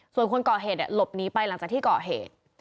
ส่วนคนก่อเหตุหลบหนีไปหลังจากที่ก่อเหตุ